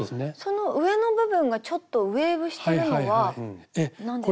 その上の部分がちょっとウエーブしてるのは何でなんですか？